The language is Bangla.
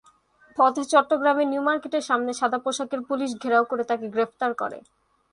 পথে চট্টগ্রামের নিউ মার্কেটের সামনে সাদা পোশাকের পুলিস ঘেরাও করে তাকে গ্রেপ্তার করে।